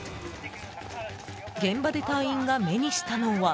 現場で隊員が目にしたのは。